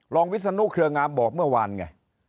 วิศนุเครืองามบอกเมื่อวานไง